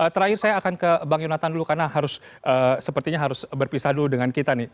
terakhir saya akan ke bang yonatan dulu karena harus sepertinya harus berpisah dulu dengan kita nih